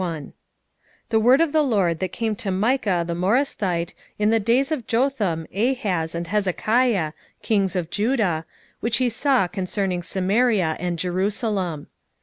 Micah 1:1 The word of the LORD that came to Micah the Morasthite in the days of Jotham, Ahaz, and Hezekiah, kings of Judah, which he saw concerning Samaria and Jerusalem.